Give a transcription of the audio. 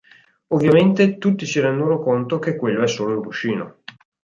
Ovviamente, tutti si rendono conto che quello è solo un cuscino.